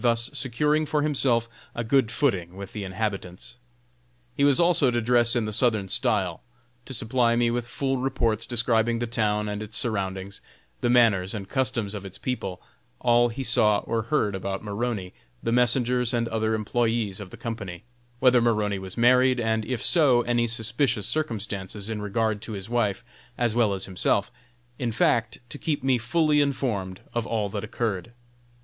thus securing for himself a good footing with the inhabitants. He was also to dress in the Southern style; to supply me with full reports describing the town and its surroundings, the manners and customs of its people, all he saw or heard about Maroney, the messengers and other employés of the company; whether Maroney was married, and, if so, any suspicious circumstances in regard to his wife as well as himself in fact, to keep me fully informed of all that occurred.